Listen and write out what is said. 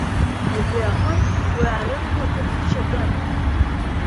Убри аҟнытә уи арырҭа ҭыԥ хьчатәын.